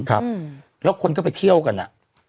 ครับแล้วคนก็ไปเที่ยวกันอ่ะ